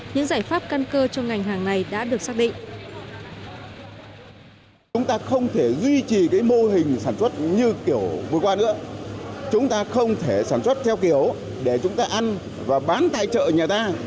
chúng ta không thể sản xuất theo kiểu để chúng ta ăn và bán tại chợ nhà ta